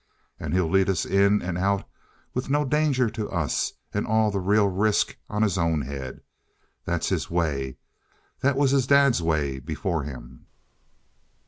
And he'll lead us in and out with no danger to us and all the real risk on his own head. That's his way that was his dad's way before him."